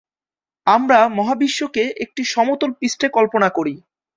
আমরা মহাবিশ্বকে একটি সমতল পৃষ্ঠে কল্পনা করি।